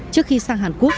trước khi sang hàn quốc